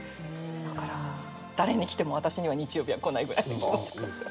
だから誰に来ても私には日曜日は来ないぐらいの気持ち。